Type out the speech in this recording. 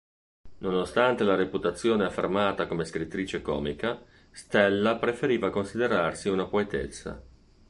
Nonostante la reputazione affermata come scrittrice comica, Stella preferiva considerarsi una poetessa.